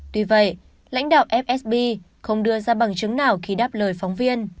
tuy vậy lãnh đạo fsb không đưa ra bằng chứng nào khi đáp lời phóng viên